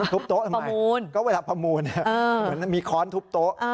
โต๊ะทำไมก็เวลาประมูลเหมือนมีค้อนทุบโต๊ะ